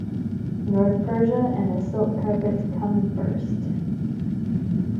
North Persia and the silk carpets come first.